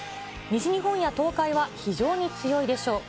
西日本や東海は非常に強いでしょう。